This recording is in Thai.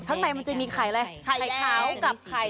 ข้างในมันจะมีไข่อะไร